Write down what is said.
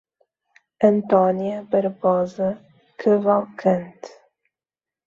Antônia Barbosa Cavalcante